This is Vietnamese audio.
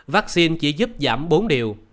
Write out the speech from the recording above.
vaccine chỉ giúp giảm bốn điều